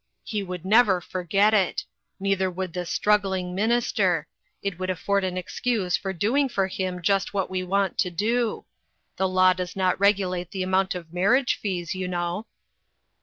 He would never forget it. Neither would this struggling minister ; it would afford an excuse for doing for him just what we want to do. The law does not regulate the amount of marriage fees, you know."